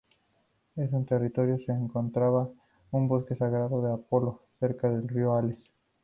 En su territorio se encontraba un bosque sagrado de Apolo cerca del río Ales.